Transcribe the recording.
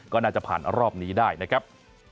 ก็น่าจะผ่านรอบนี้ได้นะครับ